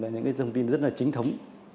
những thông tin rất là chính thống